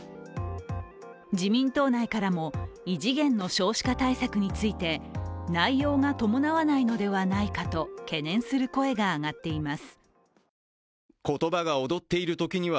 自民党内からも異次元の少子化対策について内容が伴わないのではないかと懸念する声が上がっています。